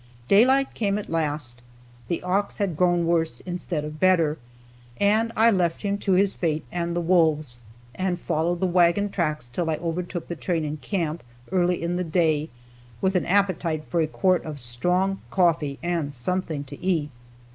Daylight came at last; the ox had grown worse instead of better, and I left him to his fate and the wolves, and followed the wagon tracks till I overtook the train in camp, early in the day, with an appetite for a quart of strong coffee and something to eat.